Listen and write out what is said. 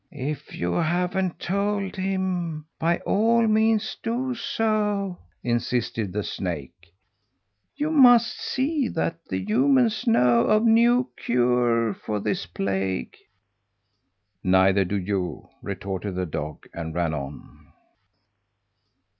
"If you haven't told him, by all means do so!" insisted the snake. "You must see that the humans know of no cure for this plague." "Neither do you!" retorted the dog, and ran on.